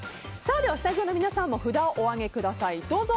スタジオの皆さんも札をお上げください。